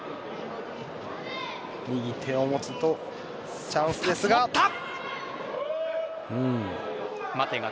右手を持つとチャンスですが。